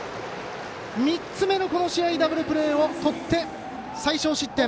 ３つ目のこの試合ダブルプレーをとって最少失点。